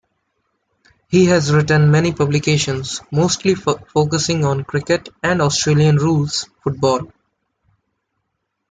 He has written many publications, mostly focusing on cricket and Australian rules football.